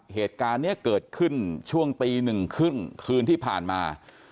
เหตุการณ์เนี่ยเกิดขึ้นช่วงตี๑๓๐คืนที่ผ่านมา